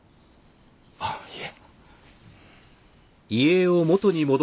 あっいえ。